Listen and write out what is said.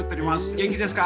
元気ですか？